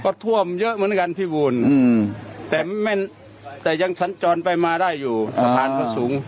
ก็ท่วมเยอะเหมือนกันพี่บูลแต่ยังสัญจรไปมาได้อยู่สะพานก็สูง